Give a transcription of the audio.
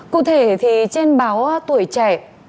cụ thể thì trên báo tuổi trẻ